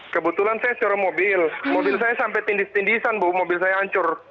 kebetulan saya seorang mobil mobil saya sampai ke tindis tindisan bu mobil saya hancur